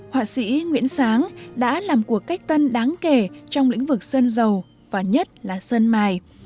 họa sĩ nguyễn sáng đã làm cuộc cách tân đáng kể trong lĩnh vực sơn dầu và nhất là sơn mài